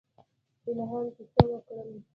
الهام کیسه وکړم.